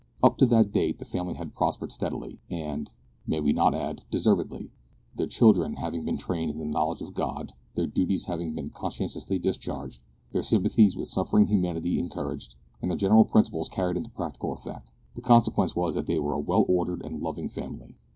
Up to that date the family had prospered steadily, and, may we not add, deservedly; their children having been trained in the knowledge of God, their duties having been conscientiously discharged, their sympathies with suffering humanity encouraged, and their general principles carried into practical effect. The consequence was that they were a well ordered and loving family.